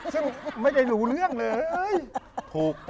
หลังไม่รู้เรื่องเลย